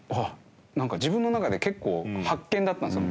なんか自分の中で結構発見だったんですよ。